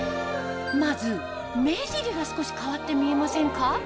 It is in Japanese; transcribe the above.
まず目尻が少し変わって見えませんか？